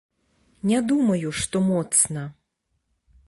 Не думаю, што моцна.